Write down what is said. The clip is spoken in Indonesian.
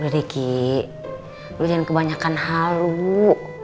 udah deh ki lo jangan kebanyakan hal lo